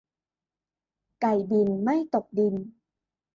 ไก่บินไม่ตกดิน